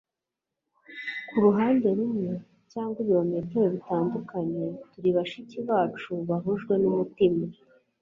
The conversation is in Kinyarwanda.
kuruhande rumwe cyangwa ibirometero bitandukanye turi bashiki bacu bahujwe n'umutima